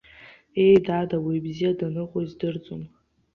Ее, дад, ауаҩы бзиа даныҟоу издырӡом.